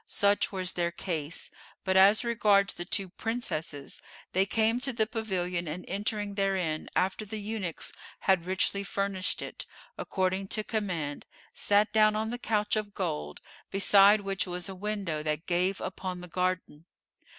Such was their case;[FN#452] but as regards the two Princesses, they came to the pavilion and entering therein after the eunuchs had richly furnished it, according to command, sat down on the couch of gold, beside which was a window that gave upon the garden.